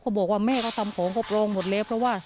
เขาบอกว่าแม่เขาทำของก็ปลองหมดแล้ว